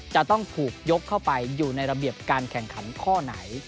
จะต้องถูกยกเข้าไปอยู่ในระเบียบการแข่งขันข้อไหน